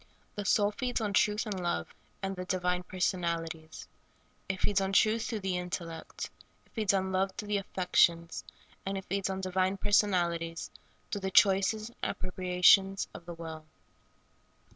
The soul feeds on truth and love, and the di vine personalities. It feeds on truth through the in tellect ; it feeds on love through the affections ; and it feeds on divine personalities through the choices and appropriations of the will.